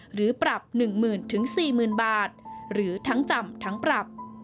หรือปรับ๑๐๐๐๔๐๐๐บาทหรือทั้งจำทั้งปรับ